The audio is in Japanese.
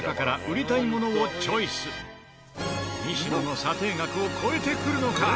西野の査定額を超えてくるのか？